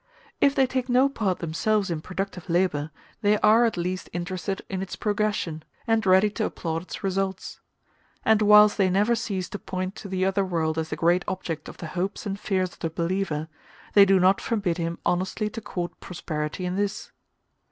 If they take no part themselves in productive labor, they are at least interested in its progression, and ready to applaud its results; and whilst they never cease to point to the other world as the great object of the hopes and fears of the believer, they do not forbid him honestly to court prosperity in this.